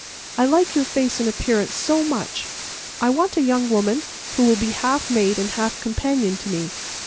I like your face and appearance so much. I want a young woman who will be half maid and half companion to me.